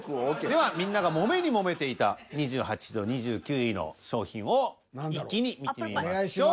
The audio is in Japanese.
ではみんながもめにもめていた２８位と２９位の商品を一気に見てみましょう。